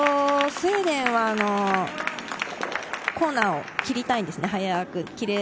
スウェーデンはコーナーを切りたいんですね。